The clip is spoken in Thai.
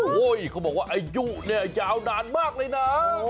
โอ้โหเขาบอกว่าอายุเนี่ยยาวนานมากเลยนะ